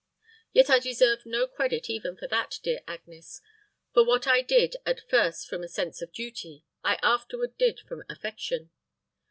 Yet I deserve no credit even for that dear Agnes; for what I did at first from a sense of duty, I afterward did from affection.